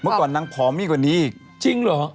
เมื่อก่อนนางผอมมากกว่านี้อีกจริงเหรอ